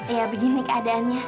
ya begini keadaannya